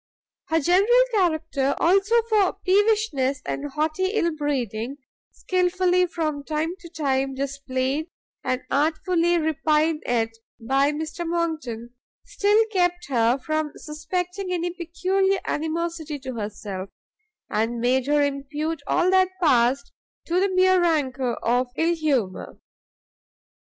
Her general character, also, for peevishness and haughty ill breeding, skilfully, from time to time, displayed, and artfully repined at by Mr Monckton, still kept her from suspecting any peculiar animosity to herself, and made her impute all that passed to the mere rancour of ill humour.